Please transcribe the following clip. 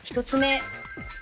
１つ目。